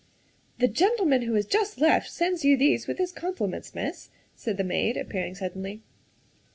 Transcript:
'' 11 The gentleman who has just left sends you these with his compliments, Miss," said the maid, appearing suddenly.